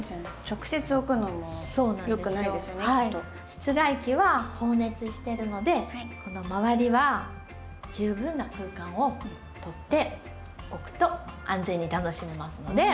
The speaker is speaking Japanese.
室外機は放熱してるのでこの周りは十分な空間を取っておくと安全に楽しめますので。